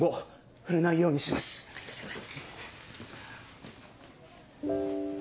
ありがとうございます。